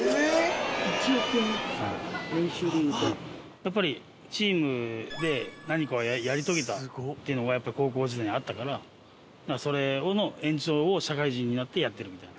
やっぱりチームで何かをやり遂げたっていうのがやっぱ高校時代にあったからそれの延長を社会人になってやってるみたいな。